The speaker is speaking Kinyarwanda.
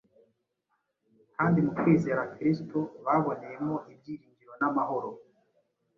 kandi mu kwizera Kristo baboneyemo ibyiringiro n’amahoro